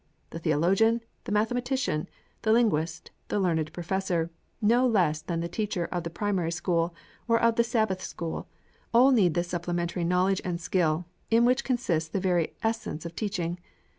The theologian, the mathematician, the linguist, the learned professor, no less than the teacher of the primary school, or of the Sabbath school, all need this supplementary knowledge and skill, in which consists the very essence of teaching.